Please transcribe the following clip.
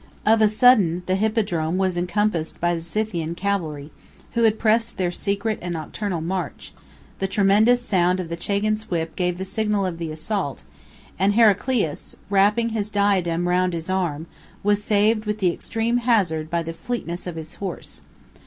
On a sudden the hippodrome was encompassed by the Scythian cavalry, who had pressed their secret and nocturnal march: the tremendous sound of the chagan's whip gave the signal of the assault, and Heraclius, wrapping his diadem round his arm, was saved with extreme hazard, by the fleetness of his horse.